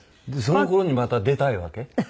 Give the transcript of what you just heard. その頃にまた出たいわけ？